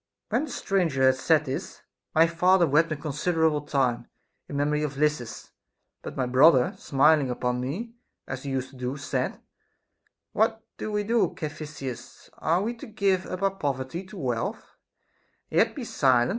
14. When the stranger had said this, my father wept a considerable time, in memory of Lysis ; but my brother, smiling upon me, as he used to do, said : What do we do, Caphisias \ Are we to give up our poverty to wealth, and yet be silent?